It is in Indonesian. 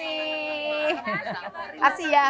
terima kasih ya